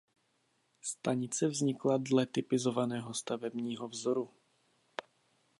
Stanice vznikla dle typizovaného stavebního vzoru.